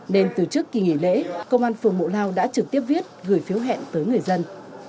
nên từ trước kỳ nghỉ lễ công an phường bộ lao đã trực tiếp viết gửi phiếu hẹn tới người dân